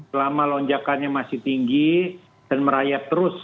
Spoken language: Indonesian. selama lonjakannya masih tinggi dan merayap terus